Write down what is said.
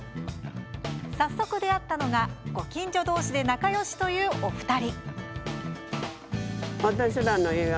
早速、出会ったのがご近所どうしで仲よしというお二人。